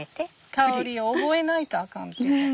香りを覚えないとあかん。